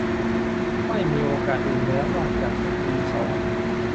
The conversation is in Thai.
ไม่มีโอกาสอื่นแล้วนอกจากจะตีเขา